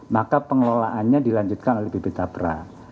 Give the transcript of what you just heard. maka pengelolaannya dilanjutkan oleh bp tapra